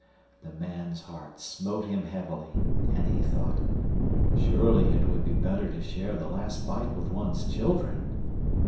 The man's heart smote him heavily, and he thought: "Surely it would be better to share the last bite with one's children!"